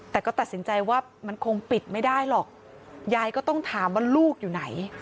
แต่ก็ตัดสินใจว่ามันคงปิดไม่ได้หรอกยายก็ต้องถามว่าลูกอยู่ไหน